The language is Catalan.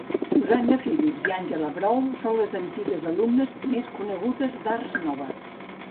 Susanna Phillips i Angela Brown són les antigues alumnes més conegudes d'Ars Nova.